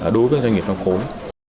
đối với các doanh nghiệp trong khối